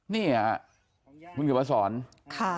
นี่คุณถี่ภาษาศองค์